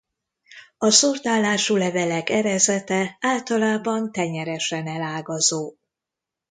A szórt állású levelek erezete általában tenyeresen elágazó.